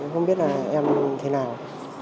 không biết là em thế nào